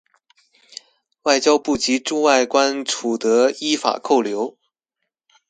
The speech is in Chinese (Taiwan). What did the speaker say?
外交部及駐外館處得依法扣留